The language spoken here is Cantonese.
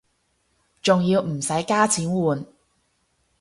仲要唔使加錢換